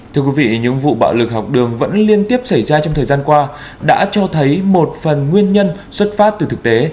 thưa quý vị những vụ bạo lực học đường vẫn liên tiếp xảy ra trong thời gian qua đã cho thấy một phần nguyên nhân xuất phát từ thực tế